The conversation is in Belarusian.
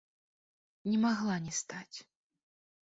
Не магла не стаць.